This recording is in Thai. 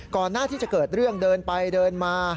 ก่อนหน้าที่จะเกิดเรื่องเดินไปเดินมา